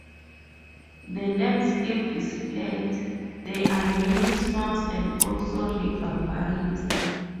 The landscape is flat, there are many swamps and also river valleys.